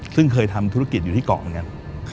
ซึ่งเคยทำธุรกิจอยู่ที่เกาะเหมือนกัน